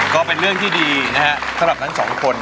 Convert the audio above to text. ก็เป็นเรื่องที่ดีนะฮะสำหรับทั้งสองคน